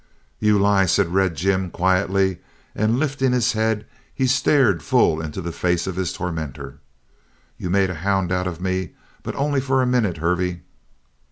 "You lie," said Red Jim quietly, and lifting his head, he stared full into the face of his tormentor. "You made a hound out of me, but only for a minute, Hervey."